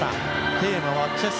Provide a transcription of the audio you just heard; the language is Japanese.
テーマはチェス。